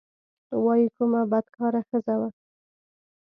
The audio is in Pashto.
وايي کومه بدکاره ښځه وه.